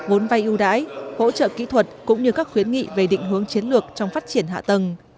vốn vay ưu đãi hỗ trợ kỹ thuật cũng như các khuyến nghị về định hướng chiến lược trong phát triển hạ tầng